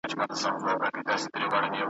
زمانې یمه یو عمر په خپل غېږ کي آزمېیلی `